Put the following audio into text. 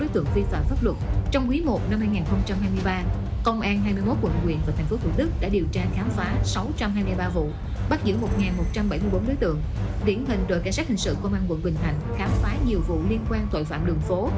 trong quý i năm hai nghìn hai mươi ba công an hai mươi một quận huyện và thành phố thủ đức đã điều tra khám phá sáu trăm hai mươi ba vụ bắt giữ một một trăm bảy mươi bốn đối tượng điển hình đội cảnh sát hình sự công an quận bình thạnh khám phá nhiều vụ liên quan tội phạm đường phố